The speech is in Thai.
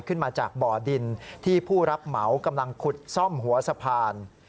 ขึ้นมาจากบ่อดินที่ผู้รับเหมากำลังขุดซ่อมหัวสะพาน